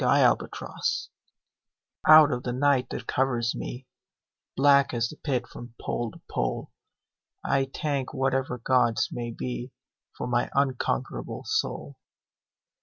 Y Z Invictus OUT of the night that covers me, Black as the Pit from pole to pole, I thank whatever gods may be For my unconquerable soul.